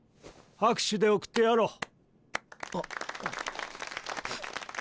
拍手で送ってやろう。